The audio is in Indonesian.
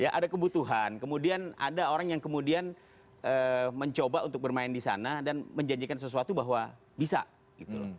ya ada kebutuhan kemudian ada orang yang kemudian mencoba untuk bermain di sana dan menjanjikan sesuatu bahwa bisa gitu loh